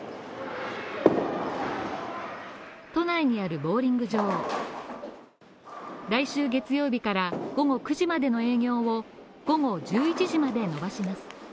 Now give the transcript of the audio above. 都内にあるボウリング場、来週月曜日から午後９時までの営業を午後１１時まで延ばします。